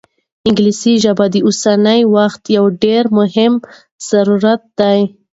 انګلیسي ژبه د اوسني وخت یو ډېر مهم ضرورت دی.